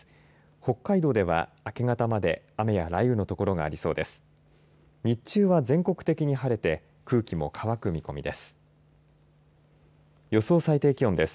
北海道では、明け方まで雨や雷雨の所がありそうです。